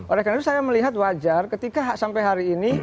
oleh karena itu saya melihat wajar ketika sampai hari ini